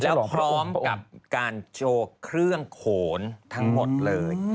แล้วพร้อมกับการโชว์เครื่องโขนทั้งหมดเลย